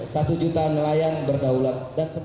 satu juta nelayan berdaulat